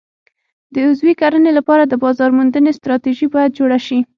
د عضوي کرنې لپاره د بازار موندنې ستراتیژي باید جوړه شي.